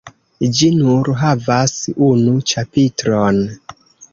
Ĝi nur havas unu ĉapitron.